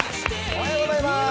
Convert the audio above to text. おはようございます。